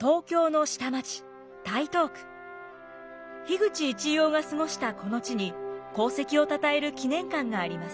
口一葉が過ごしたこの地に功績をたたえる記念館があります。